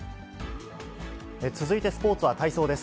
続いてスポーツは体操です。